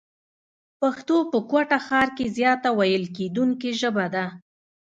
پښتو په کوټه ښار کښي زیاته ويل کېدونکې ژبه ده.